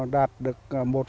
đạt được một năm